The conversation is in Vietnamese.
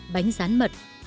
bánh rán mật